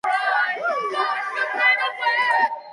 Navegó junto con Cristóbal Colón en su primer viaje.